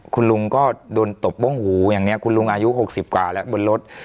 คุณลุงก็โดนตบโบ้งหูอย่างนี้คุณลุงอายุ๖๐กว่าแล้วบนรถ